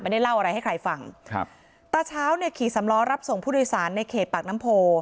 ได้เล่าอะไรให้ใครฟังครับตาเช้าเนี่ยขี่สำล้อรับส่งผู้โดยสารในเขตปากน้ำโพ